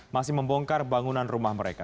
masih membongkar bangunan rumah mereka